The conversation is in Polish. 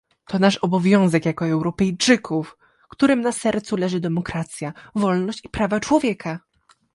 To nasz obowiązek jako Europejczyków, którym na sercu leży demokracja, wolność i prawa człowieka